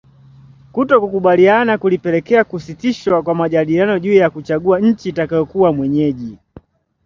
kutokukubaliana kulipelekea kusitishwa kwa majadiliano juu ya kuchagua nchi itakayokuwa mwenyeji